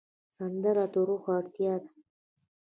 سندره د روح اړتیا ده